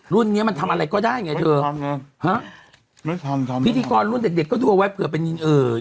รุ่นนี้มันทำอะไรก็ได้ไงเธอฮะพิธีกรรมรุ่นเด็กก็ดัวไว้เผื่อเป็นเออ